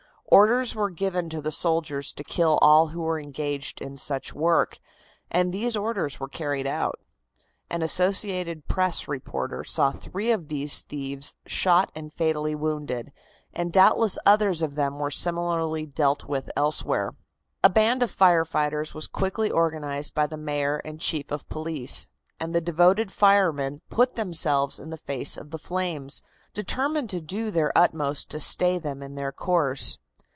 Orders were given to the soldiers to kill all who were engaged in such work, and these orders were carried out. An associated Press reporter saw three of these thieves shot and fatally wounded, and doubtless others of them were similarly dealt with elsewhere. A band of fire fighters was quickly organized by the Mayor and Chief of Police, and the devoted firemen put themselves in the face of the flames, determined to do their utmost to stay them in their course.